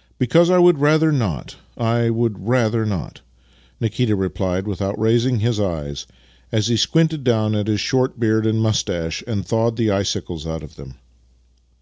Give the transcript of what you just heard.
" Because I would rather not, I would rather not," Nikita replied without raising liis eyes as he squinted down at his short beard and moustache and thawed the icicles out of them.